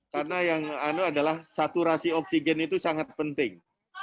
karena yang satu adalah saturasi oksigen itu sangat penting